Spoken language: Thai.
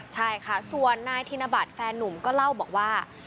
ใช่ค่ะส่วนนายธินบัตรแฟนนุ่มก็เล่าบอกว่า